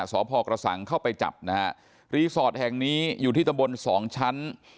สพกระสังเข้าไปจับนะฮะรีสอร์ทแห่งนี้อยู่ที่ตำบลสองชั้น